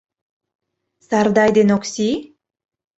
Сардай ден Окси?..